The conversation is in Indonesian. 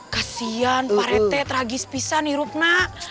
kasian parete tragis pisah nih rupna